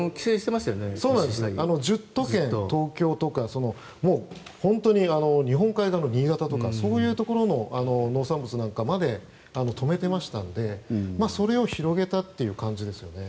１０都県、東京とか日本海側の新潟とかそういうところの農産物まで止めていましたのでそれを広げた感じですよね。